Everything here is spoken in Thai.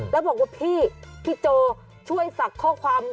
แล้วบอกว่าพี่พี่โจช่วยสักข้อความ